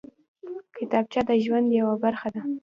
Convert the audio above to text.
کتابچه د ژوند یوه برخه ده